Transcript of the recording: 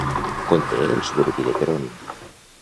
Conté el suburbi de Peron.